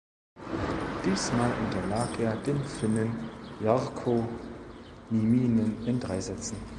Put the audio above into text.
Diesmal unterlag er dem Finnen Jarkko Nieminen in drei Sätzen.